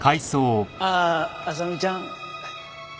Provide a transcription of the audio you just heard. ああ麻美ちゃん。